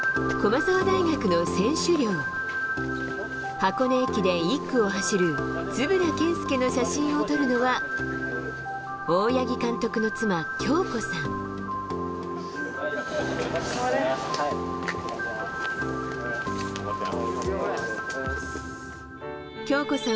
箱根駅伝１区を走る円健介の写真を撮るのは、大八木監督の妻、京子さん。